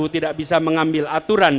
tidak bisa mengambil aturan